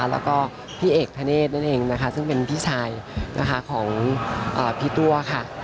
แล้วก็พี่เอกธเนธนั่นเองนะคะซึ่งเป็นพี่ชายนะคะของพี่ตัวค่ะ